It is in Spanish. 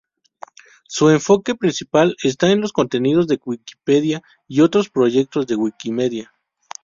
Su enfoque principal está en los contenidos de Wikipedia y otros proyectos de Wikimedia.